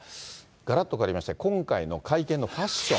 がらっと変わりまして、今回の会見のファッション。